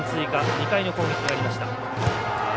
２回の攻撃ありました。